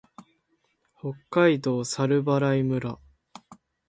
北海道猿払村